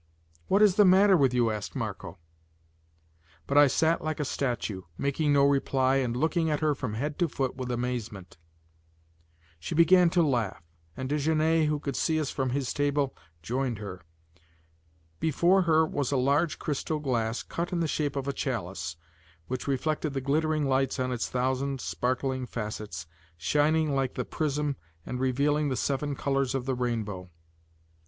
"What is the matter with you?" asked Marco. But I sat like a statue, making no reply and looking at her from head to foot with amazement. She began to laugh, and Desgenais, who could see us from his table, joined her. Before her was a large crystal glass, cut in the shape of a chalice, which reflected the glittering lights on its thousand sparkling facets, shining like the prism and revealing the seven colors of the rainbow.